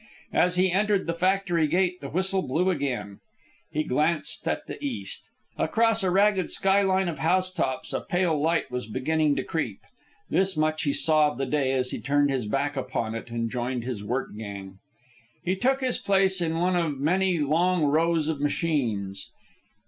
As he entered the factory gate the whistle blew again. He glanced at the east. Across a ragged sky line of housetops a pale light was beginning to creep. This much he saw of the day as he turned his back upon it and joined his work gang. He took his place in one of many long rows of machines.